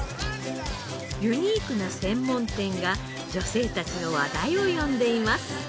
ユニークな専門店が女性たちの話題を呼んでいます。